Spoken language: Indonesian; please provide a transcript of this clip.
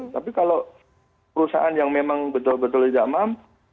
tapi kalau perusahaan yang memang betul betul tidak mampu